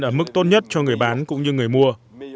ở mức tốt nhất cho người bán cũng như người mua